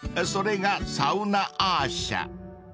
［それがサウナアー写］